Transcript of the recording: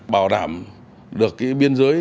bảo đảm được biên giới